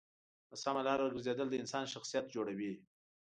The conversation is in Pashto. په سمه لاره گرځېدل د انسان شخصیت جوړوي.